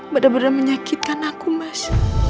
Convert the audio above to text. bener bener menyakitkan aku mas